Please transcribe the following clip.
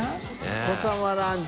お子さまランチ。